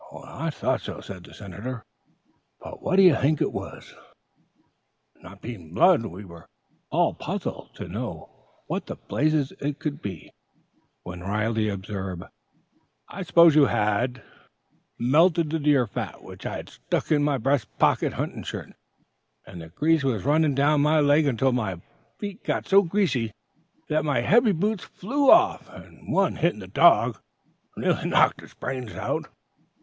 "I thought so," said the Senator; "but what do you think it was?" Not being blood, we were all puzzled to know what the blazes it could be; when Riley observed, "I suppose you had " "Melted the deer fat which I had stuck in the breast of my hunting shirt, and the grease was running down my leg until my feet got so greasy that my heavy boots flew off, and one, hitting the dog, nearly knocked his brains out."